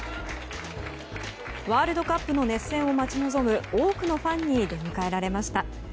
ワールドカップの熱戦を待ち望む多くのファンに出迎えられました。